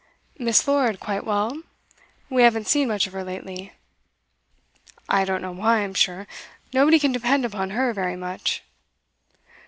'Miss. Lord quite well? We haven't seen much of her lately.' 'I don't know why, I'm sure. Nobody can depend upon her very much.